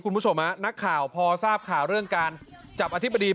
คุณผู้ชมฮะนักข่าวพอทราบข่าวเรื่องการจับอธิบดี